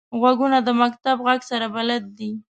غوږونه د مکتب غږ سره بلد دي